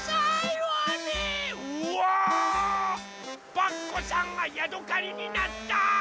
パクこさんがヤドカリになった！